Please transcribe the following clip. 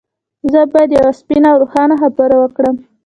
زه بايد يوه سپينه او روښانه خبره وکړم.